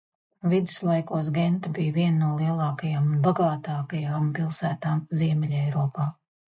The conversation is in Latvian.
Viduslaikos Genta bija viena no lielākajām un bagātākajām pilsētām Ziemeļeiropā.